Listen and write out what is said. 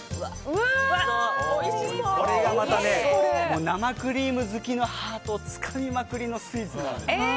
これがまた生クリーム好きのハートをつかみまくりのスイーツなんです。